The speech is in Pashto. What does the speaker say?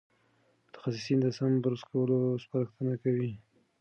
متخصصین د سم برس کولو سپارښتنه کوي.